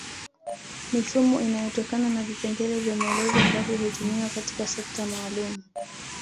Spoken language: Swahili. Mifumo inayotokana na vipengele vya maelezo ambavyo hutumiwa katika sekta maalum